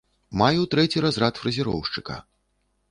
Маю трэці разрад фрэзероўшчыка.